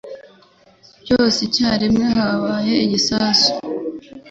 Byose icyarimwe habaye igisasu.